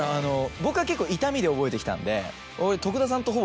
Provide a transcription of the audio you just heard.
僕は結構痛みで覚えてきたんで。